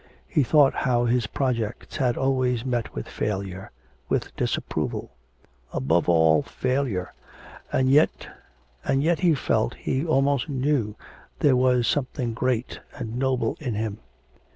He thought how his projects had always met with failure, with disapproval, above all, failure... and yet, and yet he felt, he almost knew, there was something great and noble in him.